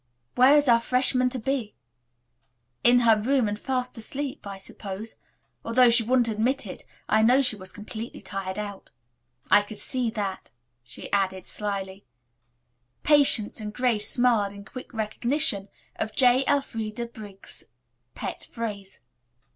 "Where is our freshman to be?" "In her room and fast asleep, I suppose. Although she wouldn't admit it, I know she was completely tired out. I could see that," she added slyly. Patience and Grace smiled in quick recognition of J. Elfreda Briggs' pet phrase.